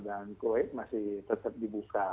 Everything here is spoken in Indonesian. dan kuwait masih tetap dibuka